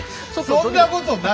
そんなことない！